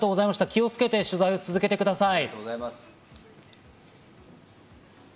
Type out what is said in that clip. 気をつけて取材を続けてください。